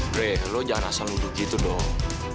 dre lo jangan asal nuduh gitu dong